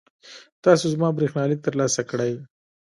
تاسو زما برېښنالیک ترلاسه کړی؟